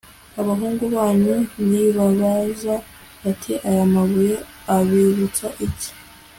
abahungu banyu nibababaza bati aya mabuye abibutsa iki?'